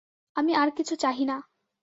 আমি আর কিছু চাহি না।